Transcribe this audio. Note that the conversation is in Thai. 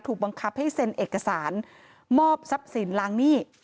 บังคับให้เซ็นเอกสารมอบทรัพย์สินล้างหนี้